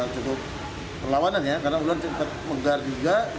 cukup perlawanan ya karena ular megar juga